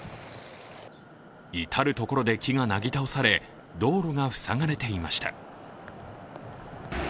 至るところで木がなぎ倒され、道路が塞がれていました。